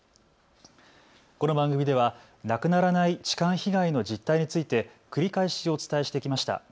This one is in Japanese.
この番組ではなくならない痴漢被害の実態について繰り返しお伝えしてきました。